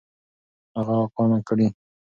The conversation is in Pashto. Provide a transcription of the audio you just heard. هغه اقامه كړي .